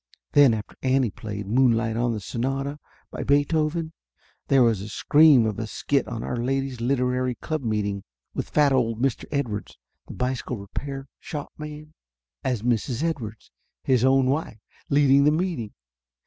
18 Laughter Limited Then after Annie had played Moonlight on the Sonata, by Beethoven, there was a scream of a skit on our Ladies' Literary Club meeting, with fat old Mr. Edwards, the bicycle repair shop man, as Mrs. Edwards, his own wife, leading the meeting.